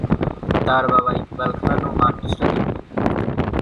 তার বাবা ইকবাল খান ও মা নুসরাত ইকবাল।